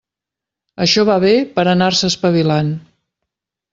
Això va bé per anar-se espavilant.